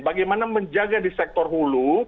bagaimana menjaga di sektor hulu